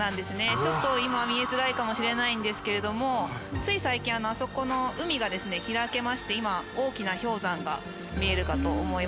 ちょっと今見えづらいかもしれないんですけれどもつい最近あそこの海がですね開けまして今大きな氷山が見えるかと思います。